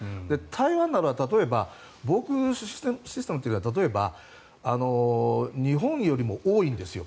台湾は防空システムとかは例えば、日本よりも多いんです。